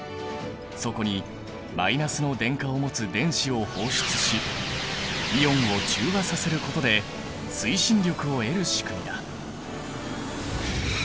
そこにマイナスの電荷を持つ電子を放出しイオンを中和させることで推進力を得る仕組みだ。